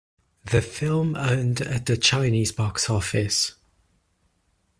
The film earned at the Chinese box office.